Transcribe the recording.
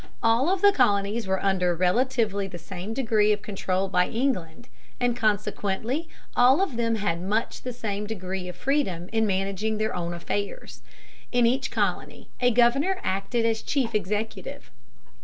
All of the colonies were under relatively the same degree of control by England, and consequently all of them had much the same degree of freedom in managing their own affairs. In each colony a governor acted as chief executive.